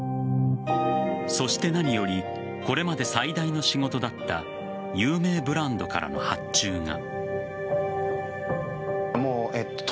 そして何よりこれまで最大の仕事だった有名ブランドからの発注が。